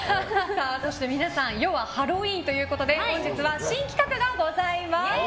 そして、皆さん世はハロウィーンということで本日は新企画がございます。